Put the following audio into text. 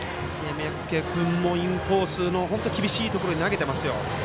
三宅君もインコースの厳しいところに投げていますよ。